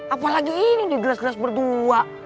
apalagi ini di gelas gelas berdua